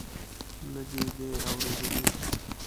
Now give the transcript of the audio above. نه دې دي اورېدلي.